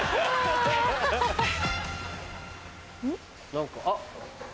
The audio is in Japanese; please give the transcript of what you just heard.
何かあっ！